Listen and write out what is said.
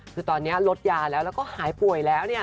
คือตอนนี้ลดยาแล้วแล้วก็หายป่วยแล้วเนี่ย